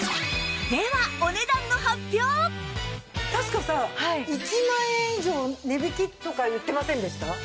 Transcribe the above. では確かさ１万円以上値引きとか言ってませんでした？